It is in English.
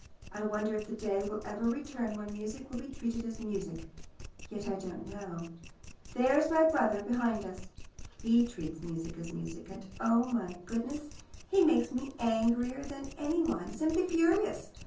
I wonder if the day will ever return when music will be treated as music. Yet I don't know. There's my brother behind us. He treats music as music, and oh, my goodness! He makes me angrier than anyone, simply furious.